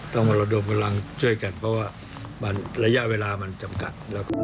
มาระดมกำลังช่วยกันเพราะว่าระยะเวลามันจำกัด